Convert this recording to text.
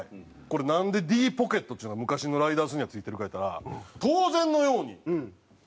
これなんでＤポケットっちゅうのが昔のライダースにはついてるかいうたら当然のようにカーナビや。